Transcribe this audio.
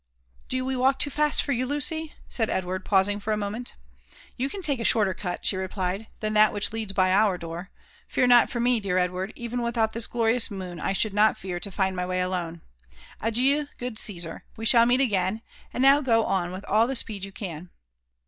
'' Do we walk too fast for you, Lucy?" said Edward, pausing for a moment. ''You can take a shorter cut," she replied, ''than that which leads by, our door. Fear not for me, dear Edward; even without this glorious moon I should not fear to find my way alone. Adieu, good Caesar ! We shall meet again ; and now go on with all the speed you can."